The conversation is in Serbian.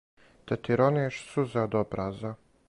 "Те ти рониш сузе од образа?"